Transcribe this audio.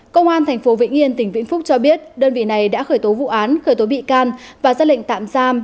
công an tp vĩnh yên tỉnh vĩnh phúc cho biết đơn vị này đã khởi tố vụ án khởi tố bị can và ra lệnh tạm giam